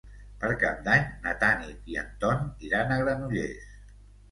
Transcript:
Per Cap d'Any na Tanit i en Ton iran a Granollers.